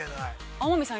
◆天海さん